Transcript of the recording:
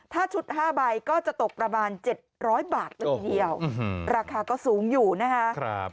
ถ้าชุด๕ใบก็จะตกประมาณ๗๐๐บาทเลยทีเดียวราคาก็สูงอยู่นะคะ